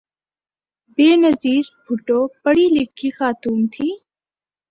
بینظیر بھٹو پڑھی لکھی خاتون تھیں۔